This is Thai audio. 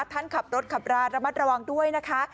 ท่านขับรถขับราระมัดระวังด้วยนะคะ